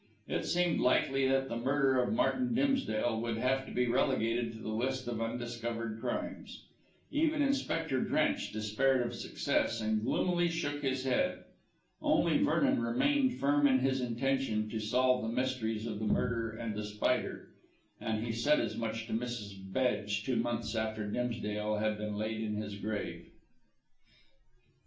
It seemed likely that the murder of Martin Dimsdale would have to be relegated to the list of undiscovered crimes. Even Inspector Drench despaired of success, and gloomily shook his head. Only Vernon remained firm in his intention to solve the mysteries of the murder and The Spider, and he said as much to Mrs. Bedge two months after Dimsdale had been laid in his grave.